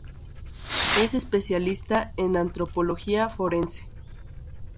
Es especialista en Antropología Forense.